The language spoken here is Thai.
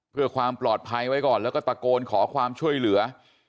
เพื่อความปลอดภัยไว้ก่อนแล้วก็ตะโกนขอความช่วยเหลือ